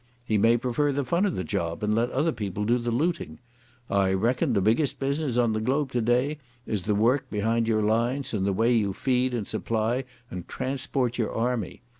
He may prefer the fun of the job and let other people do the looting. I reckon the biggest business on the globe today is the work behind your lines and the way you feed and supply and transport your army.